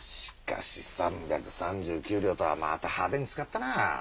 しっかし３３９両とはまた派手に使ったなあ。